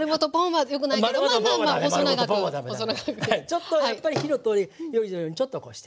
ちょっとやっぱり火の通りよいようにちょっとこうして。